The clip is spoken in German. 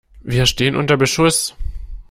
Wir stehen unter Beschuss!